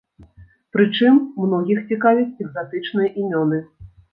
Прычым, многіх цікавяць экзатычныя імёны.